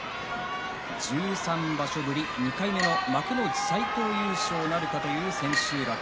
１３場所ぶり２回目の幕内最高優勝なるかという千秋楽。